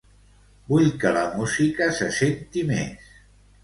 Vull que la música se senti més.